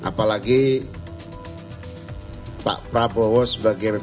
apalagi pak prabowo sebagai